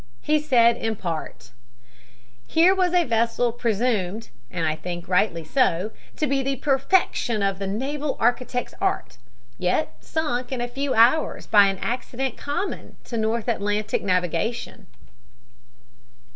He said in part: "Here was a vessel presumed, and I think rightly so, to be the perfection of the naval architect's art, yet sunk in a few hours by an accident common to North Atlantic navigation.